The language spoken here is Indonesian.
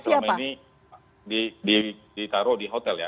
kecuali mereka yang selama ini ditaruh di hotel ya